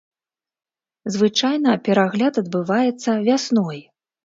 Звычайна перагляд адбываецца вясной.